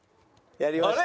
やりました。